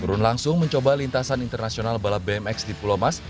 berun langsung mencoba lintasan internasional balap bmx di pulomas